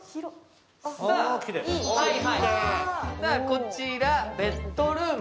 こちら、ベッドルーム。